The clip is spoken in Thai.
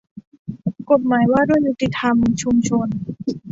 กฎหมายว่าด้วยยุติธรรมชุมชน